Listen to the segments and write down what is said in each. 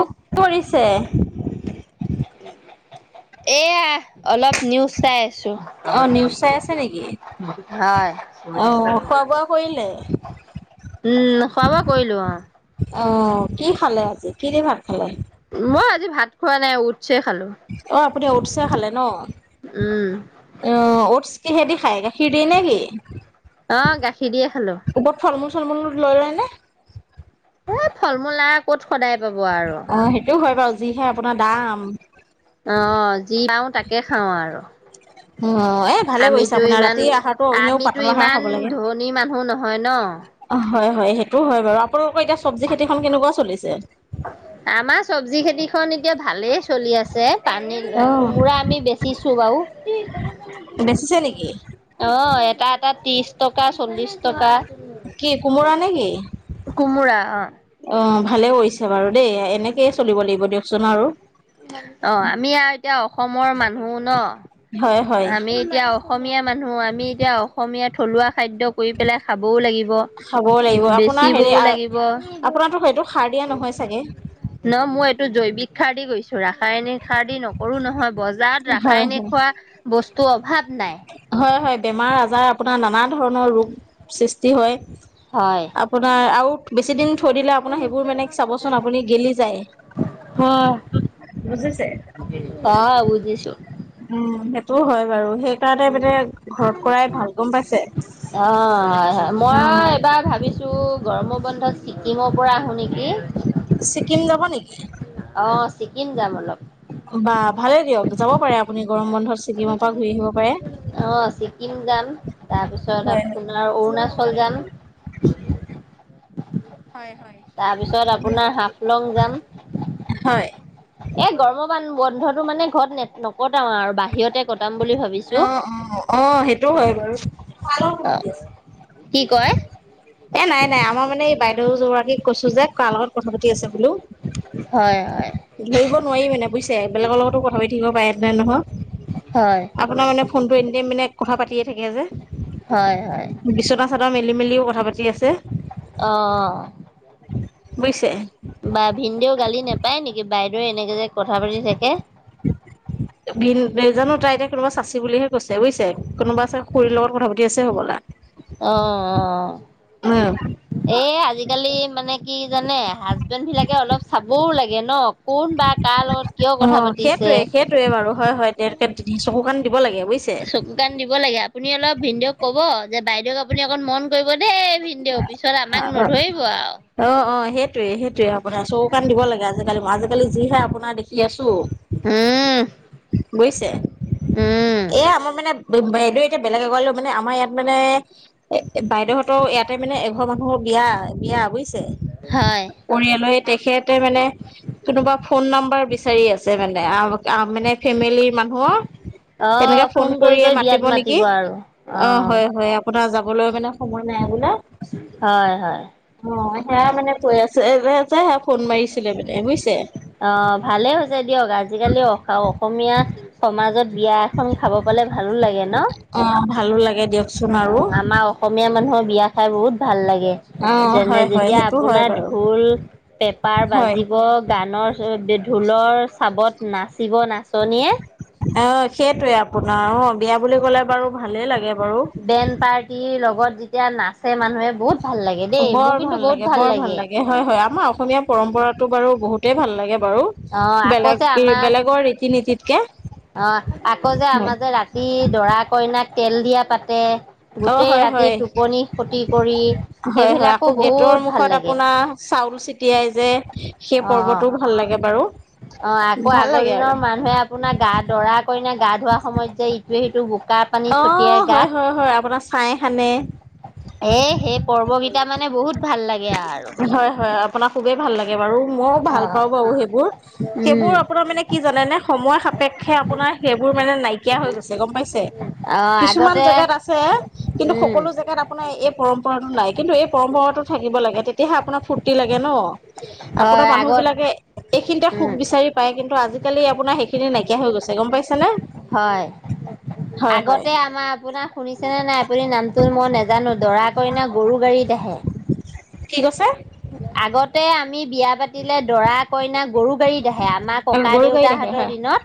[unintelligible] কৰিছে। এইয়া অলপ নিউজ চাই আছোঁ। অ নিউজ চাই আছে নেকি হয়। অ খোৱা বোৱা কৰিলে উম, খোৱা বোৱা কৰিলোঁ, অ'। অ', কি খালে আজি? কি দি ভাত খালে? মই আজি ভাত খোৱা নাই, ওটচে খালোঁ। অ', আপুনি ওটচে খালে ন? উম অ', অটছ কিহেতি খায়? গাখীৰ দি নে কি? অ', গাখীৰ দিয়ে খালোঁ। ওপৰত ফলমূল চলমূল লৈ লয়নে? এই ফল মূল নাই ক'ত সদায় পাব আৰু? অ', সেইটো হয় বাৰু যিহে আপোনাৰ দাম। অ', যি খাওঁ তাকে খাওঁ আৰু। অ এ ভালে কৰিছে আমিতো আপোনাৰ ইমান, ৰাতি আহাৰটো এনেও আমিতো পাতল আহাৰ ইমান খাব লাগে ধনী মানুহ নহয় ন। অ', হয়, হয়, সেইটো হয় বাৰু, আপোনালোকৰ এতিয়া চব্জি খেতিখন কেনেকুৱা চলিছে? আমাৰ চব্জি খেতিখন এতিয়া ভালেই চলি আছ, পানী অ কোমোৰা আমি বেচিছো বাৰু বেচিছে নেকি? অ', এটা এটা, ত্ৰিশ টকা, চল্লিশ টকা কি কোমোৰা নে কি কোমোৰা অ অ ভালে কৰিছে বাৰু দেই এনেকেয়ে চলিব লাগিব দিয়ক অ আমি আৱ এতিয়া অসমৰ মানুহ ন হয় হয় আমি এতিয়া অসমীয়া মানুহ আমি এতিয়া অসমীয়া থলুৱা খাদ্য কৰি পেলাই খাবও লাগিব খাব লাগিব আপোনাৰ বেচিবও হেৰি লাগিব আপোনাৰতো সেইটো খাৰ দিয়া নহয় চাগে ন মই এইটো জৈৱিক সাৰ দি গৈছো ৰাসায়নিক সাৰ দি নক কৰোঁ নহয় বজাৰত হয় ৰাসায়নিক হয় হোৱা বস্তুৰ অভাৱ নাই হয় হয় বেমাৰ আজাৰ আপোনাৰ নানা ধৰণৰ ৰোগ সৃষ্টি হয় হয় আপোনাৰ আৰু বেছি দিন থৈ দিলে আপোনাৰ সেইবোৰ মানে চাবচোন আপুনি গেলি যায় হয় বুজিছে অ বুজিছো উম সেইটোও হয় বাৰু সেই উম পাইছে অ হয় হয় অ মইয়ো এইবাৰ ভাবিছো এইটো গৰমৰ বন্ধত ছিক্কিমৰ পৰা আহো নেকি ছিক্কিম যাব নেকি অ ছিক্কিম যাম অলপ বা ভালে দিয়ক যাব পাৰে আপুনি গৰম বন্ধত ছিক্কিমৰ পৰা ঘূৰি আহিব পাৰে অ ছিক্কিম যাম তাৰপিছত হয় আপোনাৰ হয় অৰুণাচল যাম হয় হয় তাৰ পিছত আপোনাৰ হাফলং যাম হয় এ গৰম মান বন্ধটো মানে ঘৰত নকটাও আৰু বাহিৰতে কটাম বুলি ভাবিছো অ অ অ সেইটো হয় বাৰু কাৰ লগত অ বিজি আছিলি কি কয় এ নাই নাই আমাৰ মানে এই বাইদেউ জ গৰাকীক কৈছো যে কাৰ লগত কথা পাতি আছে বোলো হয় হয় ধৰিব নোৱাৰি মানে বুজিছে বেলেগৰ লগতো কথা পাতি থাকিব পাৰে পেলাই নহয় হয় আপোনাৰ মানে ফোনটো এনিটাইম মানে কথা পাতিয়ে থাকে যে হয় হয় যত চাদৰ মেলি মেলিও কথা পাতি আছে অ অ বুজিছে বা ভিনদেও গালি নাপাৰে নেকি বাইদেউ এনেকে যে কথা পাতি থাকে ভিন জানো তাই এতিয়া কোনোবা চাচি বুলিহে কৈছে বুজিছে কোনোবা আছে খুৰীৰ লগত কথা পাতি আছে হ'বলা অ অ উম এই আজিকালি মানে কি জানে হাজবেণ্ড বিলাকে অলপ চাবও লাগে ন কোন বা কাৰ লগত কিয় কথা পাতিছে সেইটোয়ে বাৰু হয় হয় তেওঁলোকে চকু কান দিব লাগে বুজিছে চকু কান দিব লাগে আপুনি অলপ ভিনদেউক ক'ব যে বাইদেউক আপুনি অকণ মন কৰিব দেই ভিনদেউ পিছত অ আমাক অ নধৰিব আও অ অ সেইটোয়ে সেইটোয়ে আপোনাৰ চকু কান দিব লাগে আজিকালি আজিকালি যিহে আপোনাৰ দেখি আছো উম বুজিছে উম এইয়া আমাৰ মানে বে বাইদেউ এতিয়া বেলেগ এঘৰ মানে আমাৰ ইয়াতে মানে বাইদেউহঁতৰ ইয়াতে মানে ঘৰ মানুহৰ বিয়া - বিয়া বুজিছে? হয়। পৰিয়ালয় তেখেতে মানে কোনোবা ফোন নাম্বাৰ বিচাৰি আছে মানে আ আমাক আ মানে ফেমিলিৰ মানুহৰ। অ তেনেকে ফোন কৰি কৰিয়ে কৰি বিয়াত মাতিব নেকি? আৰু অ হয় হয় আ আপোনাৰ যাবলৈ মানে সময় নাই বোলে। হয় হয় অ সেয়া মানে কৈ আছে [unintelligible] মানে বুজিছে অ ভালেই হৈছে দিয়ক, আজিকালি অ আৰু অসমীয়া সমাজত বিয়া এখন খাব পালে ভালো লাগে ন। অ ভালো লাগে দিয়ক অ আমাৰ অসমীয়া মানুহৰ বিয়া খাই বহুত ভাল লাগে। অ যেনে হয় হয় যেতিয়া সেইটো হয় আপোনাৰ বাৰু ঢোল, পেপা হয় বাজিব গানৰ [unintelligible] ঢোলৰ চাবত নাচিব নাচনীয়ে অ সেইটোৱে আপোনাৰ, অ বিয়া বুলি ক'লে বাৰু ভালেই লাগে বাৰু। বেণ্ড পাৰ্টিৰ লগত যেতিয়া নাচে মানুহে বহুত ভাল লাগে দেই, মোৰ কিন্তু বহুত ভাল লাগে। হয় হয় আমাৰ অসমীয়া পৰম্পৰাটো বাৰু বহুতেই ভাল লাগে বাৰু। অ আকৌ বেলেগ যে এ আমাৰ বেলেগৰ ৰীতি নীতিতকে। অ আকৌ যে হয় আমাৰ যে ৰাতি দৰা - কইনাক তেল দিয়া পাতে অ গোটেই হয় ৰাতি হয় টোপনি খতি কৰি হয় হয় আকৌ সেইবিলাকো গেটৰ বহুত ভাল মুখত লাগে। আপোনাৰ চাউল চিটিয়াই যে সেই অ অ পৰ্বটো ভাল লাগে বাৰু। অ আকৌ ভাল আগৰ লাগে আৰু দিনৰ মানুহে আ পোনাৰ গা দৰা - কইনাক গা ধোৱা সময়ত যে ইটোৱে সিটোক বোকা পানী অ ছটিয়াই হয় গাত হয় হয়, আপোনাৰ ছাই সানে। এ সেই পৰ্বকেইটা মানে বহুত ভাল লাগে আৰু হয় হয়, আপোনাক খুবেই ভাল লাগে বাৰু, মইও অ ভাল পাও বাৰু সেইবোৰ। উম সেইবোৰ আপোনাৰ মানে কি জানেনে? সময় সাপেক্ষে আপোনাৰ সেইবোৰ মানে নাইকিয়া হৈ গৈছে গম পাইছে? অ কিছুমান আগতে জেগাত আছে কিন্তু উম সকলো জেগাত আপোনাৰ এই পৰম্পৰাটো নাই কিন্তু এই পৰম্পৰাতো থাকিব লাগে তেতিয়াহে আপোনাৰ ফূৰ্তি লাগে ন, হয় আপোনাৰ আগত মানুহবিলাকে এইখিনিতে সুখ উম বিচাৰি ই পাই কিন্তু আজিকালি আপোনাৰ সেইখিনি নাইকিয়া হৈ গৈছে গম পাইছে নে? হয় আগতে আমাৰ আপোনাৰ শুনিছেনে নাই আপুনি নামটো মই নেজানো, দৰা - কইনা গৰু গাড়ীত আহে। কি কৈছে? আগতে আমি বিয়া পাত তিলে দৰা - কইনাক গৰু গাড়ীত আহে, আমাৰ ককা গৰু গাড়ীত আহে দেউতাহঁতৰ হয় দিনত।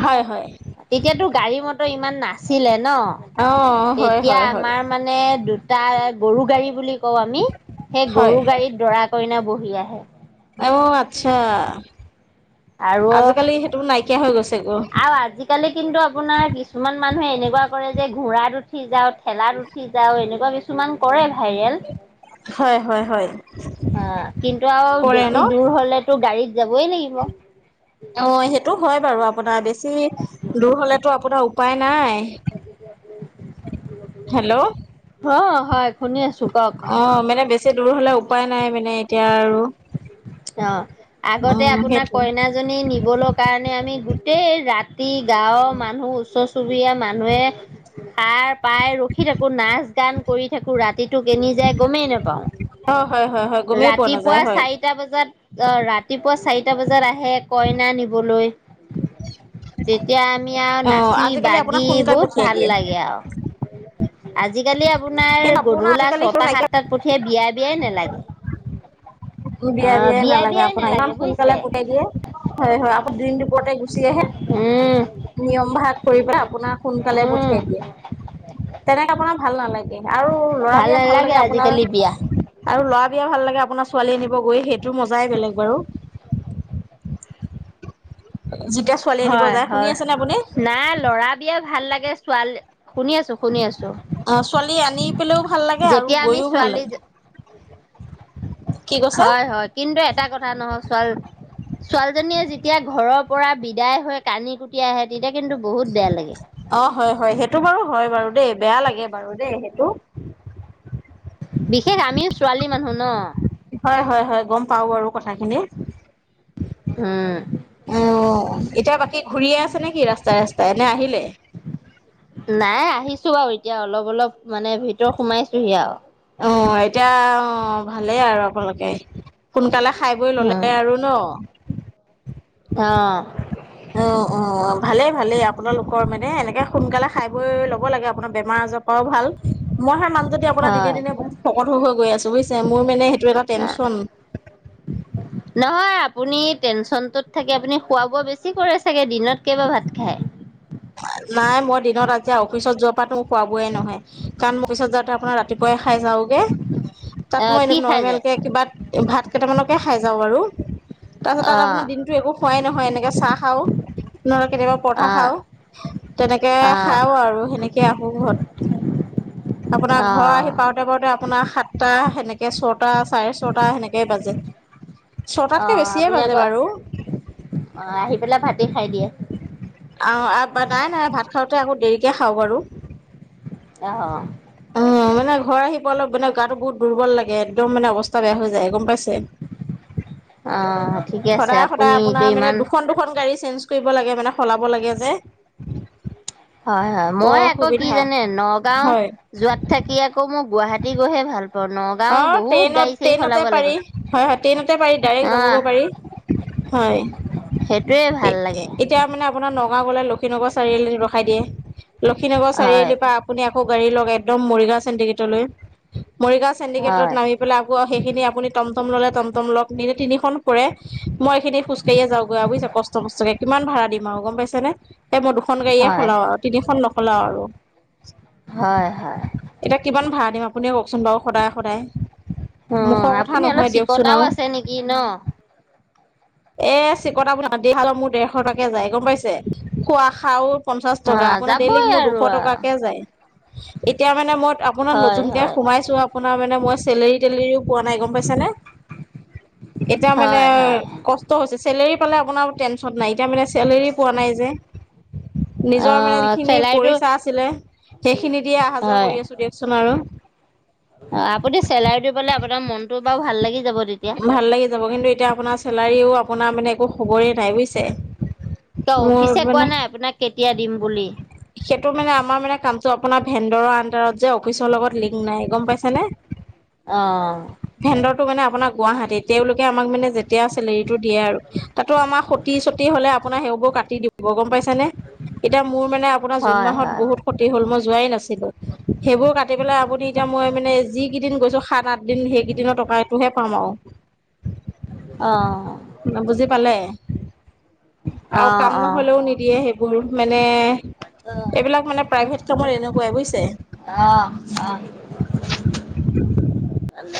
হয় হয় তেতিয়াতো গাড়ী মটৰ ইমান নাছিলে ন, অ হয় তেতিয়া হয় হয় আমাৰ মা নে দুটা গৰু গাড়ী বুলি কওঁ আমি, সেই হয় গৰু গাড়ী দৰা - কইনা বহি আহে। অ আচ্ছা, আৰু আজিকালি সেইটো নাইকিয়া হৈ গৈছ আৰু আজি কালি কিন্তু আপোনাৰ কিছুমান মানুহে এনেকুৱা কৰে যে ঘোঁৰাত উঠি যাওঁ, ঠেলাত উ ঠি যাও এনেকুৱা কিছুমান কৰে ভাইৰেল হয় হয় হয়। অ কিন্তু আৰু কৰে ন বেছি দূৰ হলেতো গাড়ীত যাবই লাগিব। অ সেইটো হয় বাৰু, আপোনাৰ বেছি দূৰ হলেতো আপোনাৰ উপায় নাই। হেল্ল'? অ হয়। শুনি আছো কওক। অ মানে বেছি দূৰ হ'লে উপায় নাই মানে এতিয়া আৰু। অ অ আগতে আপোনাৰ সেইটো কইনাজনী নিবলৈ কাৰণে আমি গোটেই ৰাতি গাঁওৰ মানুহ ওচৰ চুবুৰীয়া মানুহে সাৰ পাই ৰখি থাকো, নাচ গান কৰি থাকো, ৰাতিটো কেনি যায় গমেই নাপাওঁ। অ হয়-হয়-হয় গমেই পোৱা নাযায় হয়। টা বজাত, অ ৰাতিপুৱা চাৰিটা বজাত আহে কইনা নিবলৈ। তেতিয়া আমি আৰু অ নাচি আজিকালি আপোনাক বাগি সোনকাল বহুত পঠিয়াই ভাল দিয়ে লাগে আৰু। আজিকালি আপোনাৰ কিন্তু আপোনাৰ গোধুলা আজিকালি সেইটো ছটা নাইকিয়া সাতটাত পঠিয়াই বিয়া বিয়াই নালাগে। বিয়া অ', বিয়াই নালাগে আপোনাক ইমান নালাগে সোনকালে বুজিছে পঠাই দিয়ে। হয় হয় আকৌ দিনদুপৰতে গুচি আহ। উম, নিয়ম ভাগ কৰি পেলাই আপোনাক সোনকালে উম। পঠিয়াই দিয়ে। তেনেকে আপোনাৰ ভাল নালাগে। আৰু ল'ৰা বিয়া ভাল নালাগে লাগে আপোনাৰ আজিকালি বিয়া। আৰু ল'ৰা বিয়া ভাল লাগে আপোনাৰ ছোৱালী আনিব গৈ সেইটো মজাই বেলেগ বাৰু। [inaudible] হয় যায় শুনি হয় আছেনে আপুনি নাই ল'ৰা বিয়া ভাল লাগে ছোৱালী শুনি আছো, শুনি আছো। অ ছোৱালী আনি পেলেও ভাল লাগে আৰু যেতিয়া আমি গৈও ভাল ছোৱালী লাগে কি কৈছে হয় হয় কিন্তু এটা কথা নহয় ছোৱালী ছোৱালীজনীয়ে যেতিয়া ঘৰৰ পৰা বিদায় হৈ কানি কুটি আহে তেতিয়া কিন্তু বহুত বেয়া লাগে। অ হয় হয় সেইটো বাৰু হয় বাৰু দেই, বেয়া লাগে বাৰু দেই সেইটো। বিশেষ আমিও ছোৱালী মানুহ ন। হয় হয় হয় গম পাওঁ আৰু কথাখিনি। উম অ। এতিয়া বাকী ঘূৰিয়ে আছে নেকি ৰাস্তাই ৰাস্তাই এনে আহিলে? নাই আহিছো আৰু এতিয়া অলপ অলপ মানে ভিতৰত সোমাইছোহি আউ। অ এতিয়া অ ভালেই আৰু আপোনালোকে সোনকালে খাই বৈ উম ল'লে আৰু ন। অ। অ অ ভালেই ভালেই আপোনালোকৰ মানে এনেকে সোনকালে খাই বৈ ল'ব লাগে আপোনাৰ বেমাৰ-আজাৰ অ ভাল। মই সেই মানুহত আপোনাৰ দিনে দিনে হয়। বহুত শোকত হৈ হৈ গৈ আছো বুজছে? মোৰানে সেইটো এটা টেচন। [inaudible] নহয় আপুনি টেনচনটোত থাকি আপুনি খোৱা-বোৱা বেছি কৰে চাগে। দিনত কেইবাৰ ভাত খায়? নাই মই দিনত আজি অফিচত যোৱা তাটো খোৱ-বোৱাই নহয়। কাৰণ মোৰ পিছত যাওঁতে আপোনাৰ ৰাতিপুৱাই খাই যাওগে তাত অ' মই এনে কি খাই যায় নৰ্মেলকে কিবা ভাত কেইটামানকে খাই যাওঁ বাৰু। তাৰপাছত তাত অ' আপোনাৰ দিনটো একো খোৱাই নহয়, এনেকৈ চাহ খাওঁ, নহ'লে কেতিয়াবা পৰঠা অ' খাওঁ। তেনেকে অ' খাওঁ আৰু সেনেকে আহো ঘৰত। আপোনাৰ ঘৰ আহি অ' পাওঁতে পাওঁতে আপোনাৰ সাতটা, সেনেকে ছটা, চাৰে ছটা, সেনেকেই বাজে। ছটাতকে অ' বেছিয়ে আপুনি বাজে আকৌ বাৰু। অ আহি পেলাই ভাতি খাই দিয়ে? আ নাই নাই ভাত খাওঁতে আকৌ দেৰিকে খাওঁ বাৰু। আহ। উম মানে ঘৰ আহি পোৱালে মানে গাটো বহুত দুৰ্বল লাগে একদম মানে অৱস্থা বেয়া হৈ যায় গম পাইছে? অ' ঠিকে আছে সদায় সদায় আপুনি আপোনাৰ এতিয়া মানে ইমান দুখন দু খন গাড়ী চেঞ্জ কৰিব লাগে মানে, সলাব লাগে যে। হয়, হয়। বৰ মই আকৌ কি অসুবিধা জানে, নগাঁও হয় যোৱাত থাকি আকৌ মই গুৱাহাটী টি গৈহে ভাল পাওঁ, ন অ, ট্ৰেইনত ট্ৰেইনতে পাৰি হয়, হয়, ট্ৰেইনতে পাৰি ডাইৰেক্ট অ' যাবগৈ পাৰি। হয়। সেইটোৱে ভাল লাগে। এতিয়া মানে আপোনাৰ নগাঁও গ'লে লক্ষিনগৰ চাৰিআলি ৰখাই দিয়ে, লক্ষীনগৰ হয় চাৰিআলিৰ পৰা আপুনি আকৌ গাড়ী লক একদম মৰিগাওঁ চেন্টিগেটলৈ, মৰিগাওঁ চেন্টিগেটত হয় নামি পেলাই আকৌ সেইখিনি আপুনি টম-টম ল'লে টম-টম লওঁক, নিনি তিনিখন ফুৰে। মই এইখিনি খোজকাঢ়িয়ে যাওঁগৈ আৰু বুজিছ, কষ্ট মষ্টকে, কিমান ভাড়া দিম আৰু গম পাইছ নে। এই মই দুখন গাড়ীয়ে হয় সলাও আৰু তিনিখন নখলাও আৰু। হয়, হয়। এতিয়া কিমান ভাড়া দিম? আপুনিয়ে কওকচোন বাৰু সদায়, সদায়। অ, মুখৰ কথা আপুনি অলপ নহয় দিয়কচোন চিকতাও আৰু আছে নেকি, ন? এ চিকতা বুলি [unintelligible] মোৰ দেৰশ টাকে যায় গম পাইছে, খোৱা খাও পঞ্চাশ অ টকা, আপোনাৰ যাবই ডেইলীক মোৰ আৰু দুশ টকাকে যায়। এতিয়া মানে মই আপোনাৰ হয় নতুনকে হয় সোমাইছো আপোনাৰ মানে মই চেলেৰী-টেলেৰীও পোৱা নাই, গম পাইছনে? এতিয়া মানে হয় হয় কষ্ট হৈছে, চেলেৰী পালে আপোনাৰ টেনচন নাই, এতিয়া মানে চেলেৰি পোৱা নাই যে। অ নিজৰ মানে যিখিনি চেলাইটো পইচা আছিলে, সেইখিনি দিয়ে অহা যোৱা কৰি আছো দিও চোন আৰু অ, আপুনি চেলাৰীটো পালে আপোনাৰ মনটো বাৰু ভাল লাগি যাব তেতিয়া। ভাল লাগি যাব, কিন্তু এতিয়া আপোনাৰ চেলাৰীও আপোনাৰ মানে একো খবৰেই নাই বুজিছে। কিয়, মোৰ অফিচে কোৱা মানে নাই আপোনাক কেতিয়া দিম বুলি? সেইটো মানে, আমাৰ মানে, কামটো আপোনাৰ ভেন্দৰৰ আন্দাৰত যে, অফিচৰ লগত লিংক নাই। গম পাইছে নে? অ। ভেন্দৰটো মানে আপোনাক গুৱাহাটীত, তেওঁলোকে আমাক মানে যেতিয়া চেলেৰিটো দিয়ে আৰু তাতো আমাৰ সতি-চতি হ'লে আপোনাৰ সেইবোৰ কাটি দিব। ব গম পাইছ নে, এতিয়া মোৰ মানে আপোনাৰ জুন হয় মাহত হয় বহুত ক্ষতি হ'ল, মই যোৱাই নাছিলো। সেইবোৰ কাটি পেলাই আপুনি এতিয়া মই মানে যি কেইদিন গৈছো, সাত, আঠ দিন, সেইকেইদিনৰ টকাটোহে পাম আৰু। অ। বুজি পালে? অ আৰু কাম অ নহলেও নিদিয়ে সেই মানে, অ এইবিলাক মানে প্ৰাইভেট কামত এনেকুৱাই বুজছে। অ, অ। অ